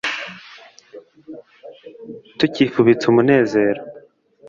tucyifubitse umunezero »